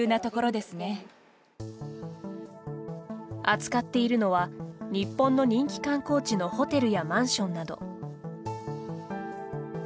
扱っているのは日本の人気観光地のホテルやマンションなど。